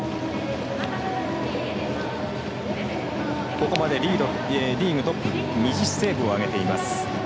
ここまでリーグトップ２０セーブを挙げています。